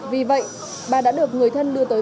vì vậy bà đã được người thân đưa tới